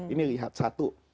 ini lihat satu